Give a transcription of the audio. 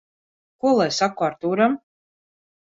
Ko lai saku Artūram?